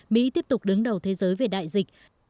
mỹ tiếp tục đứng đầu thế giới về đại dịch